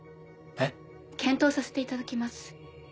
えっ？検討させていただきます。